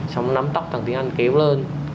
xong nắm tóc thằng tiến anh kéo lên